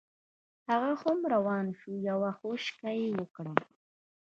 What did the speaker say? هغه هم روان شو یوه خوشکه یې وکړه.